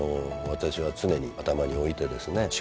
私は常に頭に置いてですね